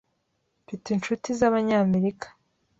Mfite inshuti z'Abanyamerika.